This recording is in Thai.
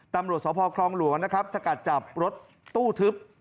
ตำรวจสพคลองหลวงนะครับสกัดจับรถตู้ทึบ